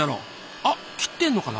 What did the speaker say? あっ切ってんのかな？